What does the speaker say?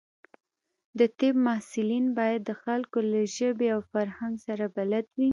د طب محصلین باید د خلکو له ژبې او فرهنګ سره بلد وي.